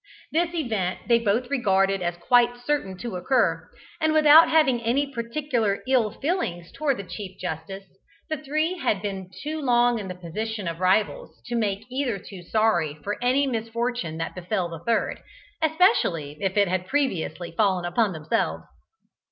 This event they both regarded as quite certain to occur, and without having any particular ill feeling towards the Chief Justice, the three had been too long in the position of rivals to make either two sorry for any misfortune that befell the third, especially if it had previously fallen upon themselves.